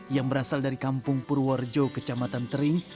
yang berasal dari kampung purworejo kecamatan tering